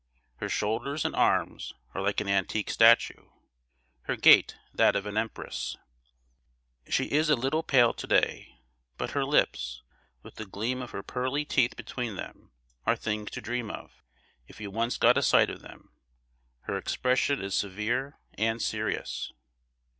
Her shoulders and arms are like an antique statue; her gait that of an empress. She is a little pale to day; but her lips, with the gleam of her pearly teeth between them, are things to dream of, if you once get a sight of them. Her expression is severe and serious.